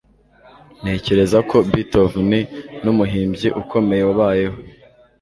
ntekereza ko beethoven numuhimbyi ukomeye wabayeho